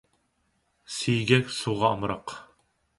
سىيگەك سۇغا ئامراق.